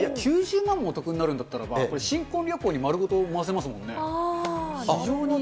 ９０万もお得になるんだったら、これ、新婚旅行に丸ごと回せますもんね。